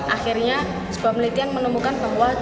akhirnya sebuah penelitian menemukan bahwa